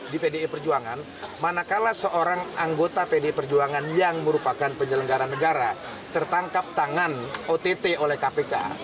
di pdi perjuangan manakala seorang anggota pdi perjuangan yang merupakan penyelenggara negara tertangkap tangan ott oleh kpk